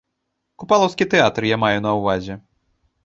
Купалаўскі тэатр, я маю на ўвазе.